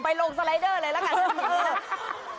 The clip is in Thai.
ลงสไลเดอร์เลยละกัน